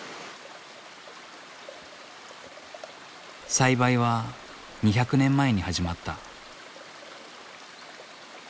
栽培は２００年前に始まった。